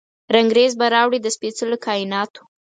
رنګریز به راوړي، د سپیڅلو کائیناتو،